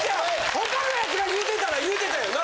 他のヤツが言うてたら言うてたよな？